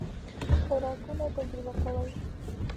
خوراکونه تجربه کوئ؟